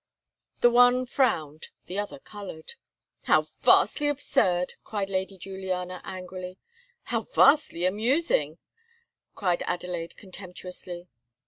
The one frowned the other coloured. "How vastly absurd!" cried Lady Juliana angrily. "How vastly amusing!" cried Adelaide contemptuously.